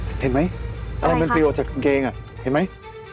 เห็นไหมอะไรมันปลิวออกจากกางเกงอ่ะเห็นไหม